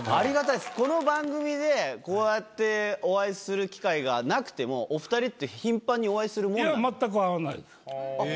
この番組でこうやってお会いする機会がなくてもお二人って頻繁にお会いするもの？